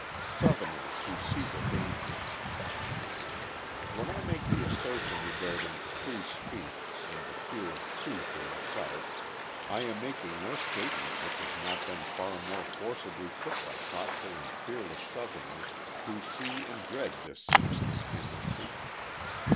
Southerners Who See the Danger When I make the assertion regarding "free speech" and the fear of truth in the South, I am making no statement which has not been far more forcibly put by thoughtful and fearless Southerners who see and dread this sinister tendency.